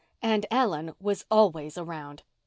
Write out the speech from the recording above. And Ellen was always around.